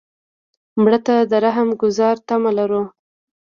مړه ته د رحم ګذار تمه لرو